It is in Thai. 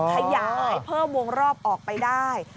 ขยายเพิ่มวงรอบออกไปได้